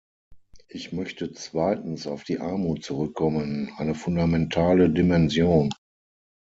Ich möchte zweitens auf die Armut zurückkommen, eine fundamentale Dimension.